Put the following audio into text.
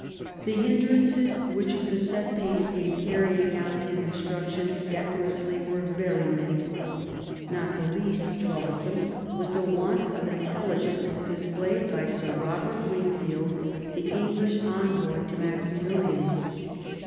The hindrances which beset Pace in carrying out his instructions decorously were very many. Not the least troublesome was the want of intelligence displayed by Sir Robert Wingfield, the English envoy to Maximilian.